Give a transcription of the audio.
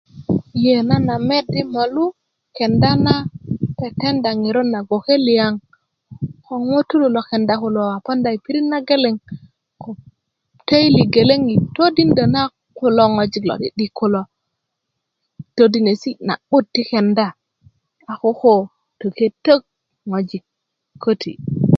yee nan a met de molu kenda na tetenda ŋerot na gboke liyaŋ ko ŋutulu lo kenda kulo a poonda yi pirit na geleŋ ko teili geleŋ yi todindö na kulo ŋojik lo'di'dik kulo todinesi' na'but ti kenda a koko töke tök ŋojik köti